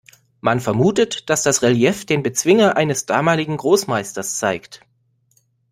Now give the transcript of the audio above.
Man vermutet, dass das Relief den Bezwinger eines damaligen Großmeisters zeigt.